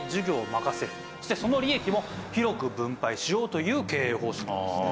そしてその利益も広く分配しようという経営方針ですね。